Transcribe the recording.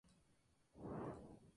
Es un arseniuro de cobre.